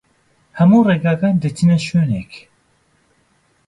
هەموو ڕێگاکان دەچنە شوێنێک.